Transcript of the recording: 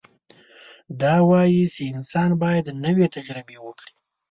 دا وایي چې انسان باید نوې تجربې وکړي.